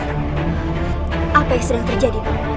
apa yang sedang terjadi